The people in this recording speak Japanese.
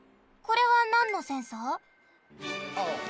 これはなんのセンサー？